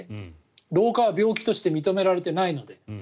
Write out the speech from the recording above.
老化は病気として認められてないので。